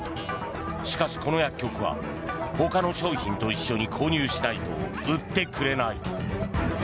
しかし、この薬局は他の商品と一緒に購入しないと売ってくれない。